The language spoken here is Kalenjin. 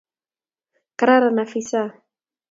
Kararan afisa